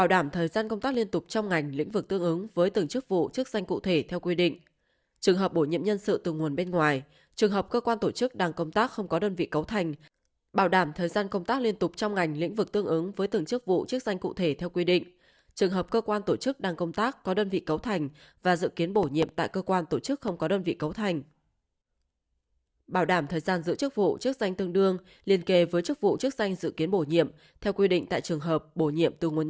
đương liên tục trong ngành lĩnh vực tương ứng với từng chức vụ chức danh cụ thể theo quy định trường hợp bổ nhiệm nhân sự từ nguồn bên ngoài trường hợp cơ quan tổ chức đang công tác không có đơn vị cấu thành bảo đảm thời gian công tác liên tục trong ngành lĩnh vực tương ứng với từng chức vụ chức danh cụ thể theo quy định trường hợp cơ quan tổ chức đang công tác có đơn vị cấu thành và dự kiến bổ nhiệm tại cơ quan tổ chức không có đơn vị cấu thành bảo đảm thời gian giữa chức vụ chức danh tương đương liên kề với chức vụ chức danh